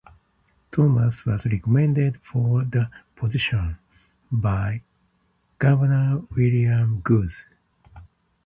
Thomas was recommended for the position by Governor William Gooch.